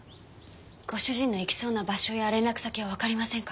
ご主人の行きそうな場所や連絡先はわかりませんか？